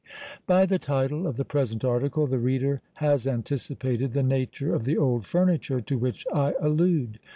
By the title of the present article the reader has anticipated the nature of the old furniture to which I allude.